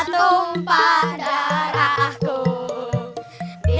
ate pacaran sama siapa